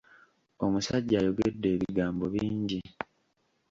Omusajja ayogedde ebigambo bingi.